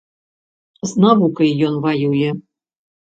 З навукай ён ваюе!